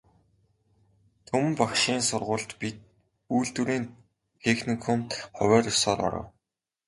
Түмэн багшийн сургуульд, би үйлдвэрийн техникумд хувиар ёсоор оров.